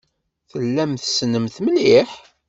Tellam tessnem-t mliḥ?